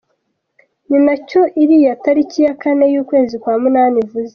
Ni nacyo iriya tariki ya kane y’ukwezi kwa munani ivuze.